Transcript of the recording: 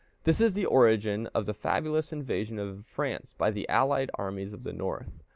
This is the origin of the fabulous invasion of France by the allied armies of the North.